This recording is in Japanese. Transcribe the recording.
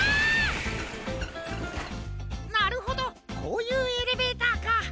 なるほどこういうエレベーターか。